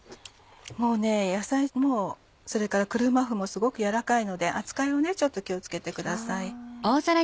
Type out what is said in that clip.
もう野菜もそれから車麩もすごく軟らかいので扱いをちょっと気を付けてください。